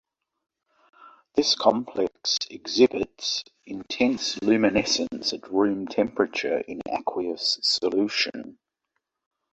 This complex exhibits intense luminescence at room temperature in aqueous solution.